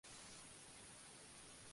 Durante muchos años ejerció la poesía.